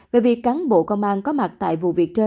vì cán bộ công an có mặt tại vụ việc trên